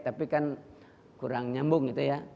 tapi kan kurang nyambung gitu ya